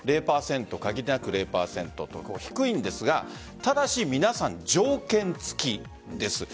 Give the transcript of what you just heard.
限りなく０％と低いんですがただし皆さん、条件付きです。